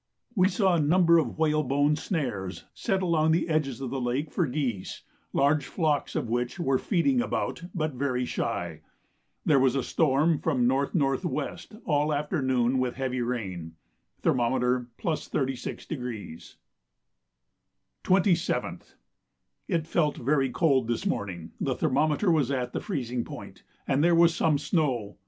We saw a number of whalebone snares set along the edges of the lakes for geese, large flocks of which were feeding about, but very shy. There was a storm from N.N.W. all the afternoon with heavy rain. Thermometer +36°. 27th. It felt very cold this morning; the thermometer was at the freezing point, and there was some snow.